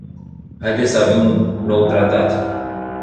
Haideți să avem un nou tratat.